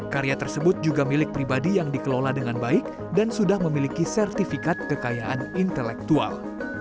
karya tersebut juga milik pribadi yang dikelola dengan baik dan sudah memiliki sertifikat kekayaan intelektual